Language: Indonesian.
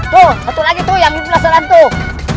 tuh satu lagi tuh yang ini pula saran tuh